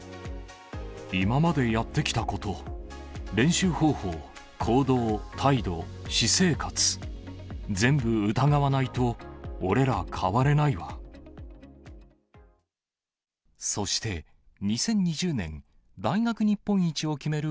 今までやってきたこと、練習方法、行動、態度、私生活、全部疑わないと、そして２０２０年、大学日本一を決める